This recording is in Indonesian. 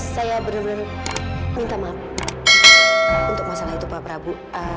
saya benar benar minta maaf untuk masalah itu pak prabu